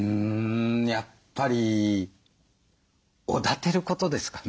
やっぱりおだてることですかね。